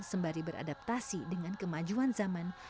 sembari beradaptasi dengan kemajuan zaman